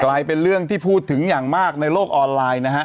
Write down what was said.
กลายเป็นเรื่องที่พูดถึงอย่างมากในโลกออนไลน์นะฮะ